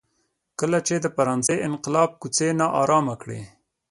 کله چې د فرانسې انقلاب کوڅې نا ارامه کړې.